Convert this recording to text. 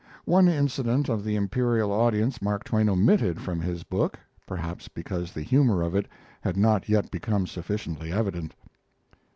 One incident of the imperial audience Mark Twain omitted from his book, perhaps because the humor of it had not yet become sufficiently evident.